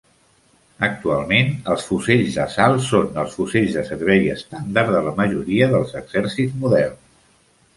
Actualment, els fusells d'assalt són els fusells de servei estàndard de la majoria dels exèrcits moderns.